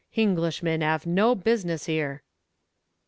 Hinglishmen 'ave no business 'ere."